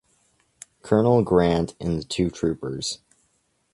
Colonel Grant and the two troopers.